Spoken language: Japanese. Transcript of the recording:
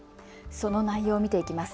その内容を見ていきます。